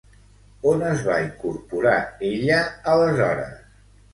On es va incorporar ella aleshores?